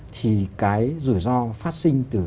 thì cái rủi ro phát sinh từ